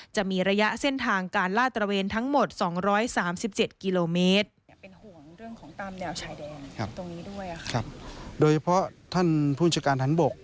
จะมีระยะเส้นทางการลาดตระเวนทั้งหมด๒๓๗กิโลเมตร